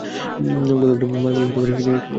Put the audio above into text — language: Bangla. গতকালের মালগুলোও এখনো ডেলিভারি হয়নি।